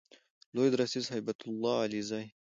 لوی درستیز هیبت الله علیزی